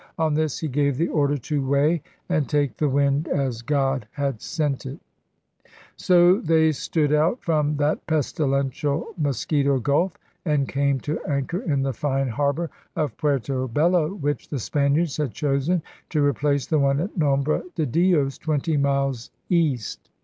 On this he gave the order to weigh and ' take the wind as God had sent it. ' DRAKE'S END 229 So they stood out from that pestilential Mos quito Gulf and came to anchor in the fine harbor of Puerto Bello, which the Spaniards had chosen to replace the one at Nombre de Dios, twenty miles east.